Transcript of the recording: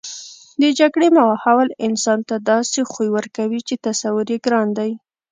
د جګړې ماحول انسان ته داسې خوی ورکوي چې تصور یې ګران دی